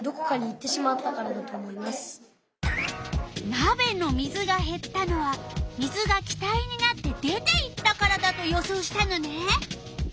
なべの水がへったのは水が気体になって出ていったからだと予想したのね。